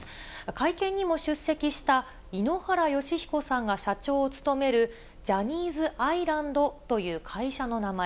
会見にも出席した井ノ原快彦さんが社長を務める、ジャニーズアイランドという会社の名前。